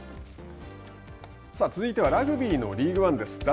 さあ続いてはラグビーのリーグワンです。